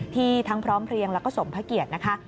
ทั้งพร้อมเพลียงแล้วก็สมพระเกียรตินะคะ